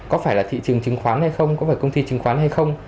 có phải là thị trường chứng khoán hay không có phải công ty chứng khoán hay không